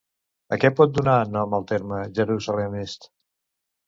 A què pot donar nom el terme Jerusalem Est?